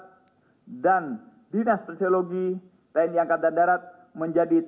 e badan intelijen strategis tni berperan dalam pelaksanaan lawancara pegawai kpk